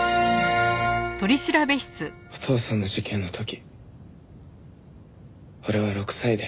お父さんの事件の時俺は６歳で。